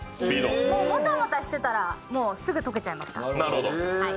もたもたしてたら、すぐ溶けちゃいますから。